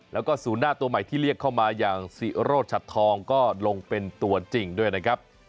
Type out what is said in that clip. แล้วก็ศูนย์หน้าตัวใหม่ที่เรียกเข้ามาอย่างศิโรชัดทองก็ลงเป็นตัวจริงด้วยนะครับ